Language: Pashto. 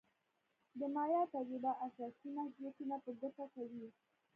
د مایا تجربه اساسي محدودیتونه په ګوته کوي.